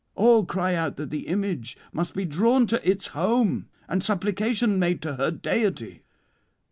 All cry out that the image must be drawn to its home and supplication made to her deity.